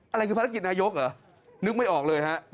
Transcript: อะไรคือภารกิจนายกเหรอนึกไม่ออกเลยฮะ